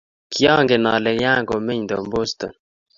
kiangen ale kiakumeny Tom Boston.